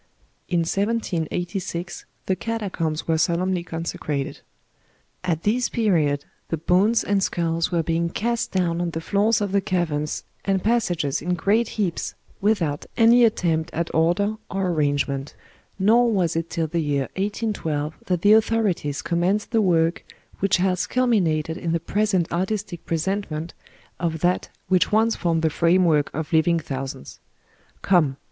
In 1786 the catacombs were solemnly consecrated. At this period the bones and skulls were being cast down on the floors of the caverns and passages in great heaps, with out any attempt at order or arrangement ; nor was it till the year 18 12 that the authorities commenced the work which has culminated in the present artistic presentment of that which once formed the framework of living thou sands. Come